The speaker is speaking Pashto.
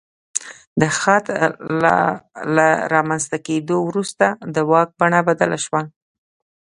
د خط له رامنځته کېدو وروسته د واک بڼه بدله شوه.